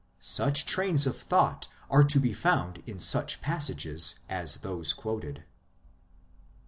Such trains of thought are to be found in such passages as those quoted.